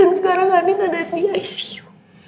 dan sekarang adin ada di icu